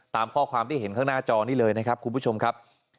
ตามข้อความที่เห็นข้างหน้าจอนี้เลยนะครับคุณผู้ชมครับ